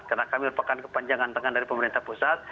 karena kami merupakan kepanjangan tengah dari pemerintah pusat